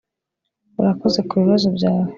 Urakoze kubibazo byawe